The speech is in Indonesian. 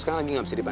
kok aku bikin